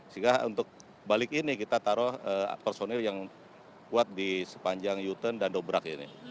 sehingga untuk balik ini kita taruh personil yang kuat di sepanjang u turn dan dobrak ini